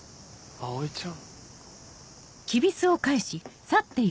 葵ちゃん！